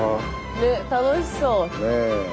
ねっ楽しそう！